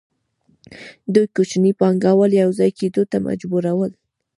دوی کوچني پانګوال یوځای کېدو ته مجبورول